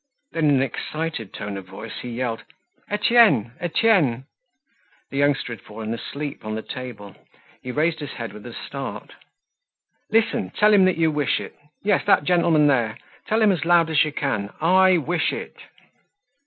Then in an excited tone of voice he yelled: "Etienne! Etienne!" The youngster had fallen asleep on the table. He raised his head with a start. "Listen, tell him that you wish it. Yes, that gentleman there. Tell him as loud as you can: 'I wish it!